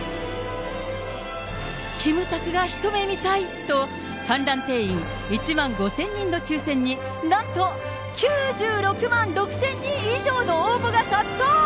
キムタクがひと目見たいと、観覧定員１万５０００人の抽せんに、なんと９６万６０００人以上の応募が殺到。